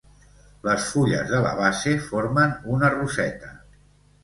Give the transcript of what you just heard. Les fulles de la base formen una roseta.